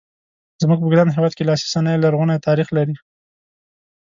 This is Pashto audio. زموږ په ګران هېواد کې لاسي صنایع لرغونی تاریخ لري.